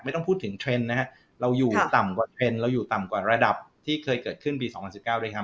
ต้องพูดถึงเทรนด์นะฮะเราอยู่ต่ำกว่าเทรนด์เราอยู่ต่ำกว่าระดับที่เคยเกิดขึ้นปี๒๐๑๙ด้วยครับ